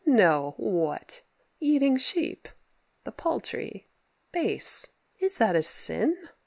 No What! eating sheep the paltry base, Is that a sin?